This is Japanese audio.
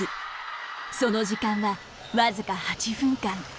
その時間は僅か８分間。